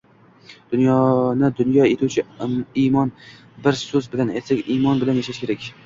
Dunyoni dunyo etuvchi — imon. Bir so‘z bilan aytsak, imon bilan yashash kerak!